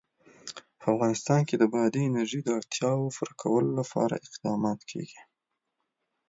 په افغانستان کې د بادي انرژي د اړتیاوو پوره کولو لپاره اقدامات کېږي.